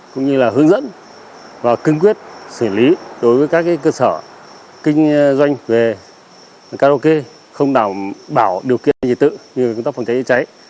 cũng như là hướng dẫn và cưng quyết xử lý đối với các cơ sở kinh doanh về karaoke không đảm bảo điều kiện dịch vụ như cơ sở phòng cháy cháy